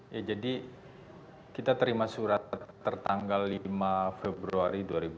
ya jadi kita terima surat tertanggal lima februari dua ribu dua puluh